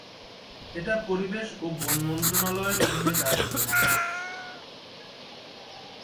এটা পরিবেশ ও বন মন্ত্রণালয়ের অধীনে কাজ করে।